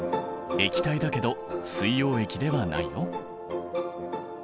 液体だけど水溶液ではないよ。